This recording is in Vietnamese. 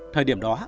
thời điểm đó